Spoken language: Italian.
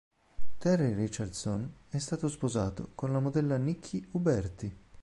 Terry Richardson è stato sposato con la modella Nikki Uberti.